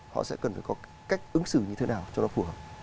họ sẽ cần phải có cách ứng xử như thế nào cho nó phù hợp